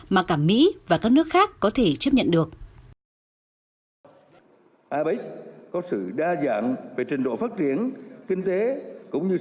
mà cả mỹ và các nước khác có thể chấp nhận được